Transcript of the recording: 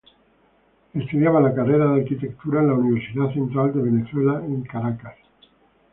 Estudiaba la carrera de Arquitectura en la Universidad Central de Venezuela en Caracas.